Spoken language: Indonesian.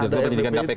dirtur penyidikan kpk